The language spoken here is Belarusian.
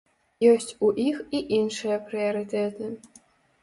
Ёсць у іх і іншыя прыярытэты.